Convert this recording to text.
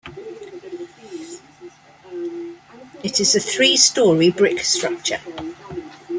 It is a three story brick structure.